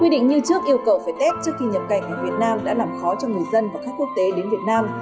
quy định như trước yêu cầu phải test trước khi nhập cảnh của việt nam đã làm khó cho người dân và các quốc tế đến việt nam